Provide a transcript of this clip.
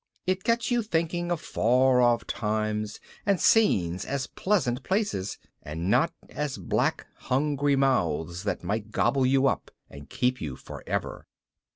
It gets you thinking of far off times and scenes as pleasant places and not as black hungry mouths that might gobble you up and keep you forever.